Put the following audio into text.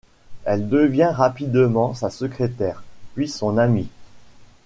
Elle devient rapidement sa secrétaire, puis son amie.